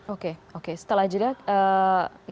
oke setelah itu